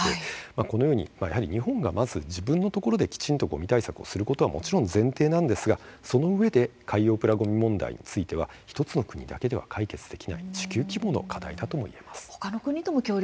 このように日本が持つ日本のところでごみ対策をすることはもちろん前提なんですがそのうえで海洋プラごみについては、１つの国だけでは解決できない地球規模の課題ともいえます。